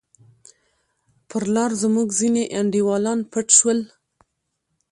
پر لار زموږ ځیني انډیوالان پټ شول.